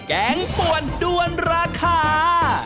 แกงป่วนด้วนราคา